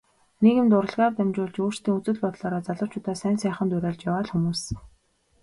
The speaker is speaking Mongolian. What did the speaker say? Нийгэмд урлагаар дамжуулж өөрсдийн үзэл бодлоороо залуучуудаа сайн сайханд уриалж яваа л хүмүүс.